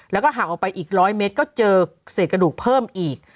แล้วก็ห่างออกไปอีก๑๐๐เมตรก็เจอเศษกระดูกเพิ่มอีก